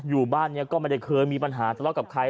อยู่บ้านเนี่ยก็ไม่เคยมีปัญหาตลอดกับใคร